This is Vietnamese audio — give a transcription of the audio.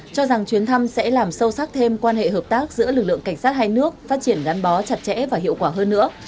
cho rằng chuyến thăm sẽ làm sâu sắc thêm quan hệ hợp tác giữa lực lượng cảnh sát hai nước phát triển gắn bó chặt chẽ và hiệu quả hơn nữa